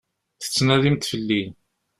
Tettnadimt fell-i.